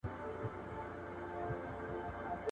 بوټونه د مور له خوا پاکيږي!